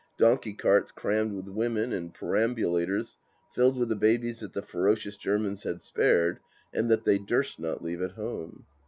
Donkey carts crammed with women, and perambu lators filled with the babies that the ferocious Germans had spared and that they durst not leave at home.